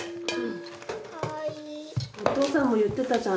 お父さんも言ってたじゃん。